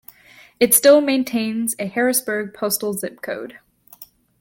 It still maintains a Harrisburg postal zip code.